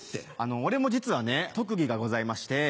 俺も実はね特技がございまして。